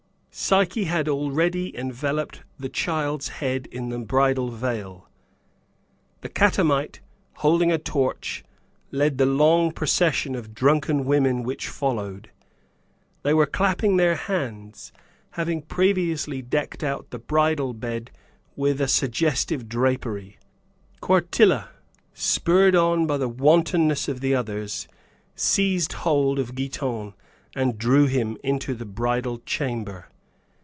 Psyche had already enveloped the child's head in the bridal veil, the catamite, holding a torch, led the long procession of drunken women which followed; they were clapping their hands, having previously decked out the bridal bed with a suggestive drapery. Quartilla, spurred on by the wantonness of the others, seized hold of Giton and drew him into the bridal chamber.